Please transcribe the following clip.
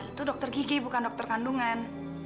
itu dokter gigi bukan dokter kandungan